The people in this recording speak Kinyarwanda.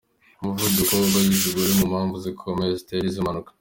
Umuvuduko ukabije uri mu mpamvu zikomeye zitera izi mpanuka.